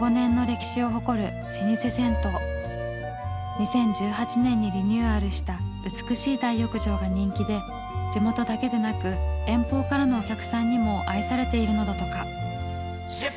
２０１８年にリニューアルした美しい大浴場が人気で地元だけでなく遠方からのお客さんにも愛されているのだとか。